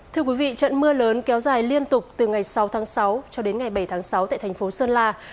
thưa quý vị trận mưa lớn kéo dài liên tục từ ngày sáu tháng sáu cho đến ngày bảy tháng sáu tại thành phố sơn la